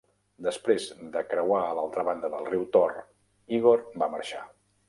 Després de creuar a l'altra banda del riu Tor, Igor va marxar.